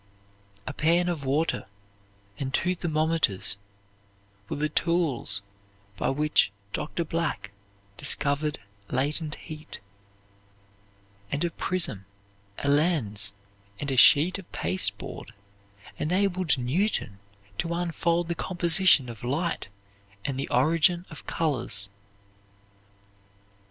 A pan of water and two thermometers were the tools by which Dr. Black discovered latent heat; and a prism, a lens, and a sheet of pasteboard enabled Newton to unfold the composition of light and the origin of colors.